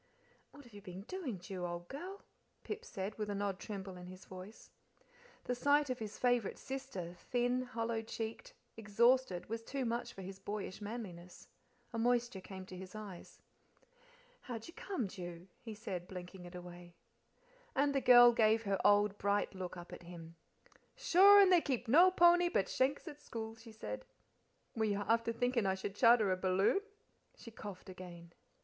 "What have you been doing, Ju, old girl?" Pip said, with an odd tremble in his voice. The sight of his favourite sister, thin, hollow checked, exhausted, was too much for his boyish manliness. A moisture came to his eyes. "How d'you come, Ju?" he said, blinking it away. And the girl gave her old bright look up at him. "Sure and they keep no pony but shank's at school," she said; "were you afther thinkin' I should charter a balloon?" She coughed again.